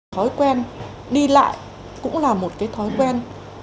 thói quen đi lại cũng là một cái thói quen